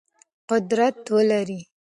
قدرت ولرئ.